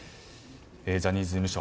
ジャニーズ事務所